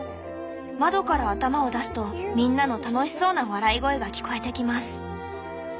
窓から頭を出すとみんなの楽しそうな笑い声が聞こえてきます」。